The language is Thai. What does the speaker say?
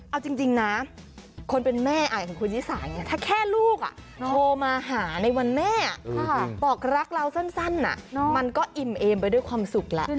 เอาจริงนะคนเป็นแม่ของคุณนิสาเนี่ยถ้าแค่ลูกโทรมาหาในวันแม่บอกรักเราสั้นมันก็อิ่มเอมไปด้วยความสุขแหละ